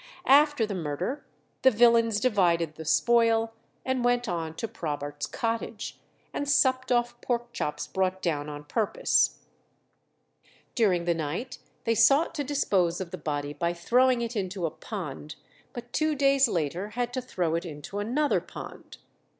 After the murder the villains divided the spoil, and went on to Probert's cottage, and supped off pork chops brought down on purpose. During the night they sought to dispose of the body by throwing it into a pond, but two days later had to throw it into another pond.